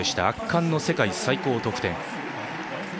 圧巻の世界最高得点。